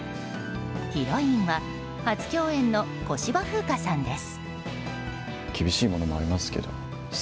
ヒロインは初共演の小芝風花さんです。